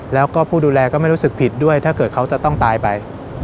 แล้วก็ผู้ดูแลก็ไม่รู้สึกผิดด้วยถ้าเกิดเขาจะต้องตายไป